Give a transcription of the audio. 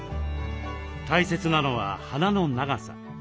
大切なのは花の長さ。